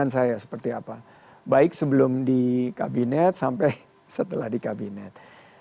saya seperti apa baik sebelum di kabinet sampai setelah di kabinet